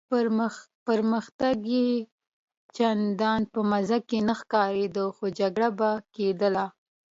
پرمختګ یې چنداني په مزه کې نه ښکارېده، خو جګړه به کېدله.